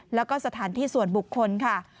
แล้วก็สถานที่ส่วนบุคคลค่ะ